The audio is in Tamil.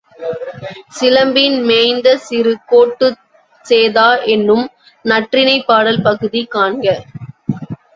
சிலம்பின் மேய்ந்த சிறு கோட்டுச்சேதா என்னும் நற்றிணைப் பாடல் பகுதி காண்க.